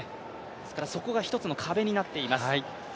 ですからそこが一つの壁になっています。